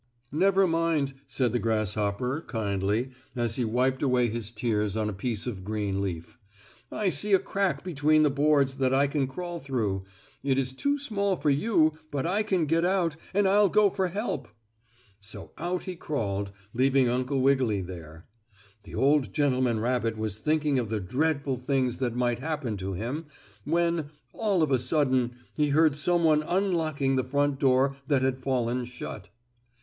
"Never mind," said the grasshopper, kindly, as he wiped away his tears on a piece of green leaf. "I see a crack between the boards that I can crawl through. It is too small for you, but I can get out, and I'll go for help." So out he crawled, leaving Uncle Wiggily there. The old gentleman rabbit was thinking of the dreadful things that might happen to him, when, all of a sudden, he heard some one unlocking the front door that had fallen shut.